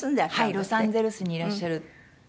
ロサンゼルスにいらっしゃる。